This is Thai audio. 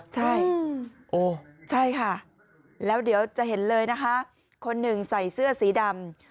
ใช่ใช่ค่ะแล้วเดี๋ยวจะเห็นเลยนะคะคนหนึ่งใส่เสื้อสีดำ